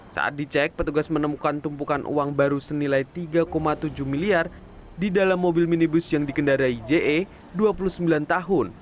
saat dicek petugas menemukan tumpukan uang baru senilai tiga tujuh miliar di dalam mobil minibus yang dikendarai je dua puluh sembilan tahun